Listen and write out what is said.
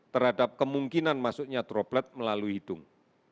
terhadap kemungkinan masuknya droplet melalui hidung